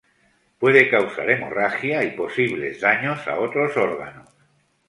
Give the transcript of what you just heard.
Puede causar hemorragia y posibles daños a otros órganos.